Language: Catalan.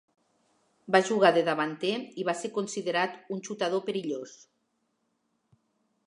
Va jugar de davanter i va ser considerat un xutador perillós.